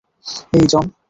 হেই, জন।